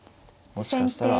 もしかしたら。